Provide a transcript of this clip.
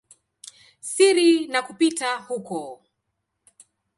siri na kupita huko.